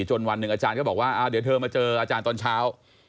วันหนึ่งอาจารย์ก็บอกว่าเดี๋ยวเธอมาเจออาจารย์ตอนเช้า